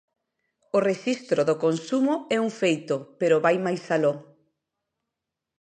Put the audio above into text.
O rexistro do consumo é un feito, pero vai máis aló.